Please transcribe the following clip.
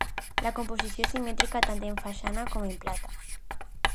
La composició és simètrica tant en façana com en planta.